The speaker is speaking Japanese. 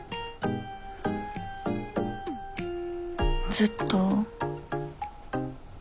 ずっと。